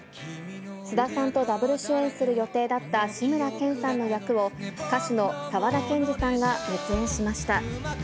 菅田さんとダブル主演する予定だった志村けんさんの役を、歌手の沢田研二さんが熱演しました。